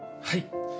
はい。